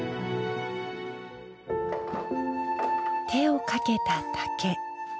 手をかけた竹。